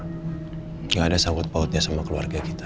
tidak ada sangkut pautnya sama keluarga kita ma